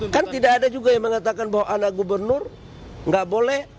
kan tidak ada juga yang mengatakan bahwa anak gubernur nggak boleh